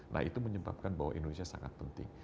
nah itu menyebabkan bahwa indonesia sangat penting